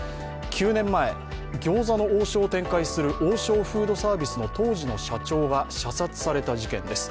９年前、餃子の王将を展開する王将フードサービスの当時の社長が射殺された事件です。